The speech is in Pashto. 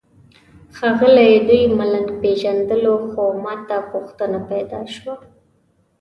ښایي دوی ملنګ پېژندلو خو ماته پوښتنه پیدا شوه.